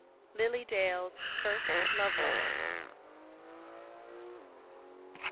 LILY DALE'S FIRST LOVE LETTER.